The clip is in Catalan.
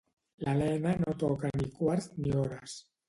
L'Elena no toca ni quarts ni hores.